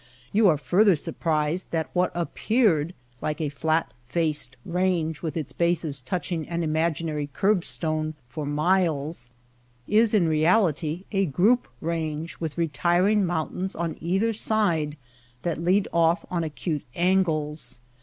You are further surprised that what appeared like a flat faced range with its bases touching an imaginary curb stone for miles, is in reality a group range with retiring mountains on either side that lead off on acute angles.